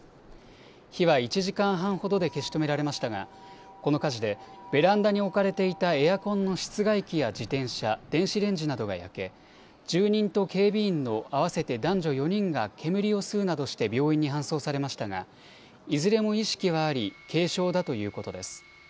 火は１時間半ほどで消し止められましたがこの火事でベランダに置かれていたエアコンの室外機や自転車、電子レンジなどが焼け住人と警備員の合わせて男女４人が煙を吸うなどして病院に搬送されましたがいずれも意識はあり軽症だということです。